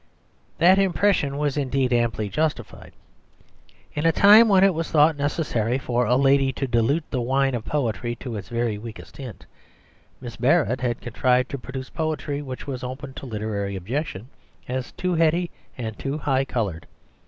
That impression was indeed amply justified. In a time when it was thought necessary for a lady to dilute the wine of poetry to its very weakest tint, Miss Barrett had contrived to produce poetry which was open to literary objection as too heady and too high coloured.